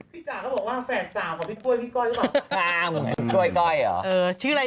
พี่จ๋าเขาบอกว่าแฝดสาวกว่าพี่ก้วยพี่ก้อยหรือเปล่า